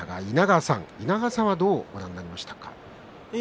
稲川さんはどうご覧になりましたか？